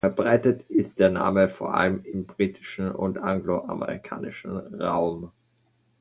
Verbreitet ist der Name vor allem im britischen und anglo-amerikanischen Raum.